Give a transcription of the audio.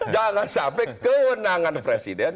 jangan sampai kewenangan presiden